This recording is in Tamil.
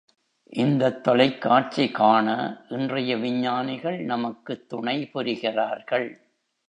இந்தத் தொலைக்காட்சி காண இன்றைய விஞ்ஞானிகள் நமக்குத் துணை புரிகிறார்கள்.